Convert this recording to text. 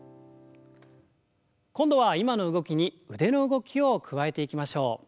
今度は今の動きに腕の動きを加えていきましょう。